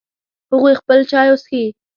هغوی خپل چای څښي